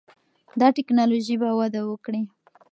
دا ټکنالوژي به وده وکړي.